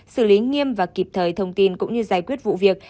xử lý nghiêm và kịp thời thông tin cũng như giải quyết vụ việc